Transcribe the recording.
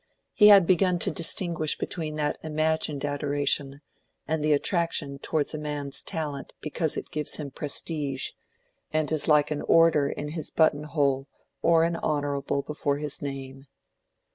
He had begun to distinguish between that imagined adoration and the attraction towards a man's talent because it gives him prestige, and is like an order in his button hole or an Honorable before his name.